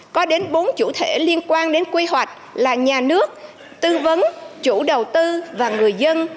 có đến bốn chủ thể liên quan đến quy hoạch là nhà nước tư vấn chủ đầu tư và người dân